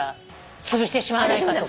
つぶしてしまわないかとか。